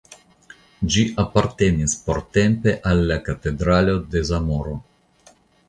Ĝi apartenis portempe al la Katedralo de Zamoro.